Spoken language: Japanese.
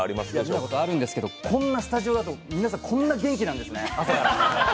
見たことあるんですけどこんなスタジオだと皆さん、こんな元気なんですね、朝から。